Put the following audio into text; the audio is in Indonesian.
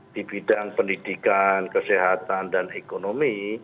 di bidang pendidikan kesehatan dan ekonomi